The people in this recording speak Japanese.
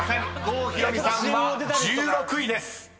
郷ひろみさんは１６位です］